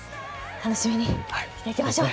楽しみにしていきましょう。